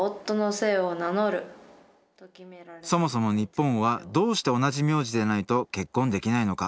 そもそも日本はどうして同じ名字でないと結婚できないのか？